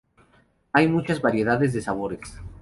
Hay muchas variedades de sabores.